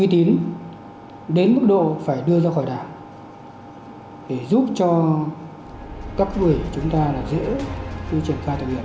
triển khai thực hiện